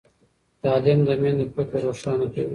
تعلیم د میندو فکر روښانه کوي۔